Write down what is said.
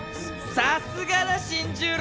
さすがだ新十郎！